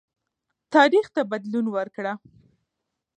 تاریخ ته بدلون ورکړه.